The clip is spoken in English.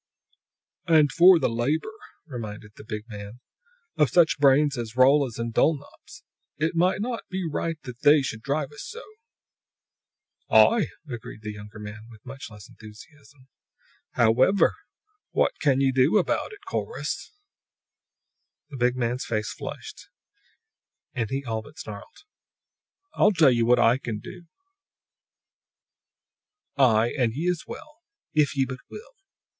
"And for the labor," reminded the big man, "of such brains as Rolla's and Dulnop's. It be not right that They should drive us so!" "Aye," agreed the younger man, with much less enthusiasm. "However, what can ye do about it, Corrus?" The big man's face flushed, and he all but snarled. "I tell ye what I can do I, and ye as well, if ye but will!